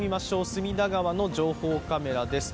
隅田川の情報カメラです。